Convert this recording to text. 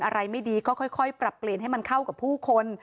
อะไรไม่ดีก็ค่อยปรับเปลี่ยนให้มันเข้ากับผู้คน